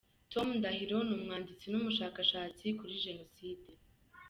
Tom Ndahiro, ni umwanditsi n’umushakashatsi kuri Jenoside